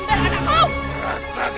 ayolah ikut aku